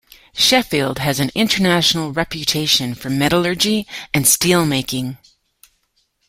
Sheffield has an international reputation for metallurgy and steel-making.